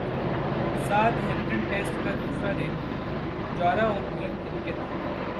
ساتھ Hampton Test کا دوسرا دن پجارا اور معین علی کے نام